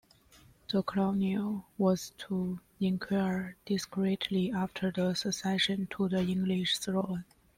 The Colonel was to enquire discreetly after the succession to the English throne.